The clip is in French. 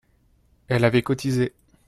Elle avait cotisé